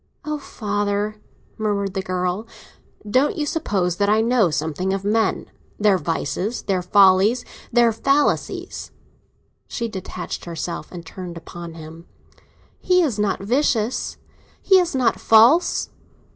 "Oh, father!" murmured the girl. "Don't you suppose that I know something of men: their vices, their follies, their falsities?" She detached herself, and turned upon him. "He is not vicious—he is not false!"